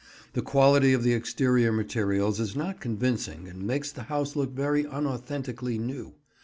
The quality of the exterior materials is not convincing and makes the house look very unauthentically new.